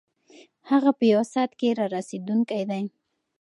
هغه په یوه ساعت کې رارسېدونکی دی.